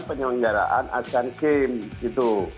penyelenggaraan asean games gitu